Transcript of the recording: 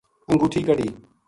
انگوٹھی کَڈھی